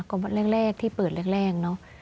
ก็แรกที่เปิดแรกเนาะ